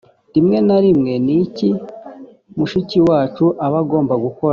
rimwe na rimwe ni iki mushiki wacu aba agomba gukora ?